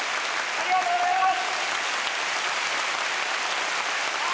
ありがとうございます！